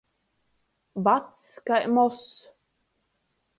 Vacs kai mozs.